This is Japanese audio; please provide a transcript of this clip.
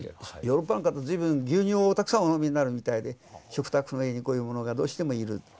ヨーロッパの方随分牛乳をたくさんお飲みになるみたいで食卓の上にこういうものがどうしてもいる。